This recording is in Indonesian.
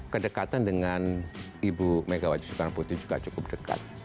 kedekatan dengan ibu megawati soekarno putri juga cukup dekat